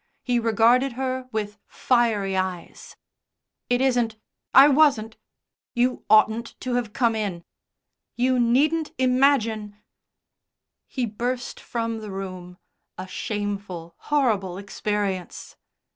He regarded her with fiery eyes. "It isn't I wasn't you oughtn't to have come in. You needn't imagine " He burst from the room. A shameful, horrible experience.